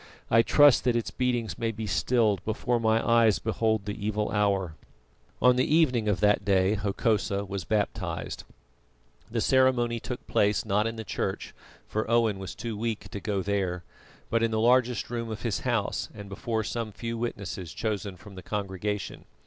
I trust that its beatings may be stilled before my eyes behold the evil hour." On the evening of that day Hokosa was baptised. The ceremony took place, not in the church, for Owen was too weak to go there, but in the largest room of his house and before some few witnesses chosen from the congregation.